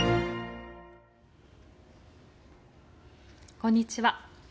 こんにちは。